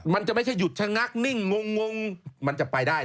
มันจะไม่ใช่หยุดชะงักนิ่งงงมันจะไปได้